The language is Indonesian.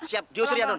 siap diusir ya non